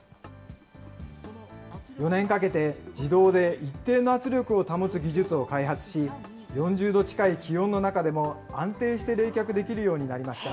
４年かけて、自動で一定の圧力を保つ技術を開発し、４０度近い気温の中でも安定して冷却できるようになりました。